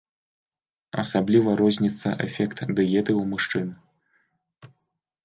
Асабліва розніцца эфект дыеты ў мужчын.